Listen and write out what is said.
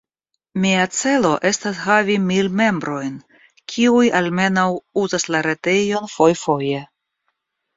Mia celo estas havi mil membrojn, kiuj almenaŭ uzas la retejon fojfoje.